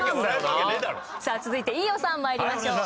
さあ続いて飯尾さんまいりましょう。